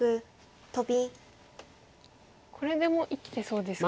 これでも生きてそうですか？